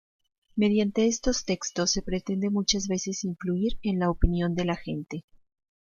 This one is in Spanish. Mediante estos textos se pretende muchas veces influir en la opinión de la gente.